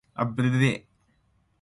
The end.